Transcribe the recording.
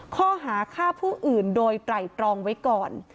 ข้อหาฆ่าผู้อื่นโดยไตรตรองไว้ก่อน